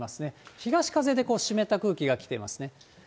東風で湿った空気が来てますね。